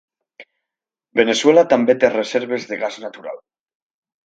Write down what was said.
Veneçuela també té reserves de gas natural.